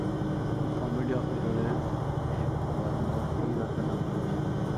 তিনি comedy of এরর-এর এই ভাবানুবাদটি রচনা করেছিলেন।